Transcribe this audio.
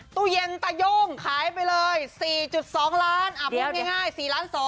ตู้เย็นตาย่งขายไปเลย๔๒ล้านพูดง่าย๔๒๐๐